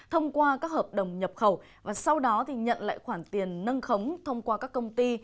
hội đồng nhập khẩu và sau đó nhận lại khoản tiền nâng khống thông qua các công ty